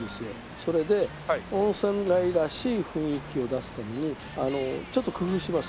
それで温泉街らしい雰囲気を出すためにちょっと工夫します。